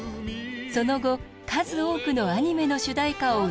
その後数多くのアニメの主題歌を歌った水木さん。